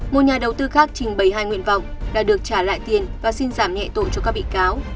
một nhà đầu tư khác trình bày hai nguyện vọng đã được trả lại tiền và xin giảm nhẹ tội cho các bị cáo